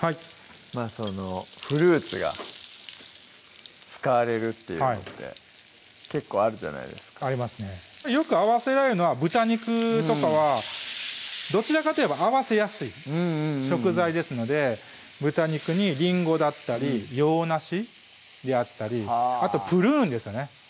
まぁそのフルーツが使われるっていうのって結構あるじゃないですかありますねよく合わせられるのは豚肉とかはどちらかといえば合わせやすい食材ですので豚肉にりんごだったり洋梨であったりあとプルーンですよね